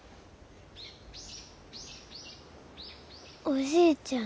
おじいちゃん